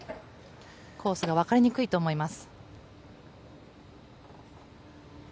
コースが分かりにくいと思います。